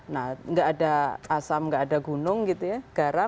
nah nggak ada asam nggak ada gunung gitu ya